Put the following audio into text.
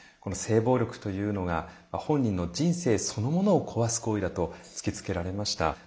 性暴力というのが本人の人生そのものを壊す行為だと突きつけられました。